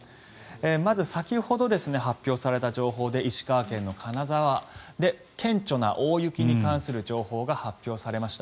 まず先ほど発表された情報で石川県の金沢で顕著な大雪に関する気象情報が発表されました。